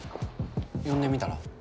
呼んでみたら？